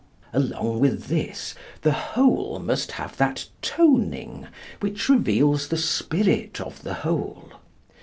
Along with this, the whole must have that toning which reveals the spirit of the whole.